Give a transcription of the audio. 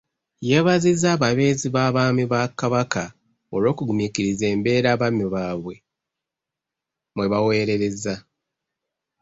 Yeebazizza ababeezi b'abaami ba Kabaka olw'okugumiikiriza embeera abaami baabwe mwe baweerereza.